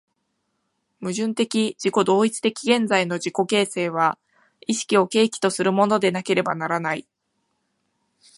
矛盾的自己同一的現在の自己形成は意識を契機とするものでなければならない。